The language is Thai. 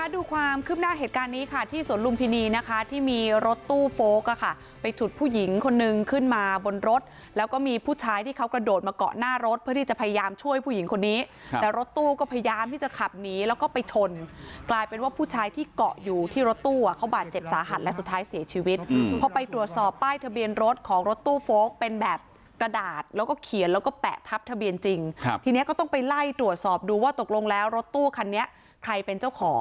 ดูความขึ้นหน้าเหตุการณ์นี้ค่ะที่สวนลุงพินีนะคะที่มีรถตู้โฟลกค่ะไปถูกผู้หญิงคนหนึ่งขึ้นมาบนรถแล้วก็มีผู้ชายที่เขากระโดดมาเกาะหน้ารถเพื่อที่จะพยายามช่วยผู้หญิงคนนี้แต่รถตู้ก็พยายามที่จะขับหนีแล้วก็ไปชนกลายเป็นว่าผู้ชายที่เกาะอยู่ที่รถตู้อ่ะเขาบาดเจ็บสาหัสและสุดท้ายเสียชีวิตอืมพอไปตรวจ